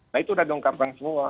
nah itu sudah diungkapkan semua